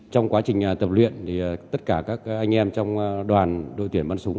trong quá trình tập luyện thì tất cả các anh em trong đoàn đội tuyển bắn súng